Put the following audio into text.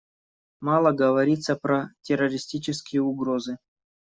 Мало говорится про террористические угрозы.